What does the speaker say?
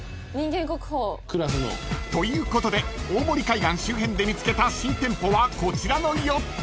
［ということで大森海岸周辺で見つけた新店舗はこちらの４つ］